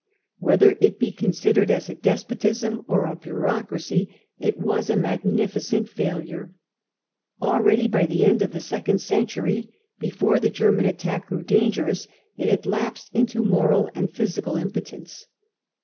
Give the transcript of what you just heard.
Whether it be considered as a despotism or as a bureaucracy, it was a magnificent failure. Hrt*ady by tbe end of the second centtiry, before the German attack grew dangerous, it had laps('d into moral and physical impotence.